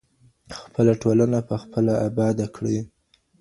خپله ټولنه په خپله اباده کړئ.